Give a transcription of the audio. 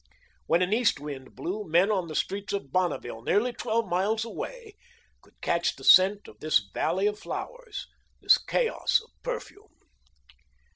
When an east wind blew, men on the streets of Bonneville, nearly twelve miles away, could catch the scent of this valley of flowers, this chaos of perfume.